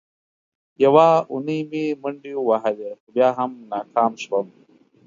یوه اونۍ مې منډې ووهلې، خو بیا هم ناکام شوم.